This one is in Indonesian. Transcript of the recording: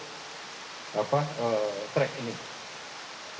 kemudian kembali ke penerbangan ini